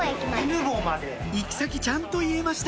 行き先ちゃんと言えました